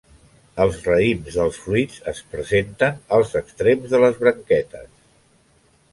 Els raïms de fruits es presenten als extrems de les branquetes.